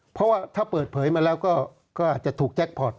เพราะว่าถ้าเปิดเผยมาแล้วก็อาจจะถูกแจ็คพอร์ต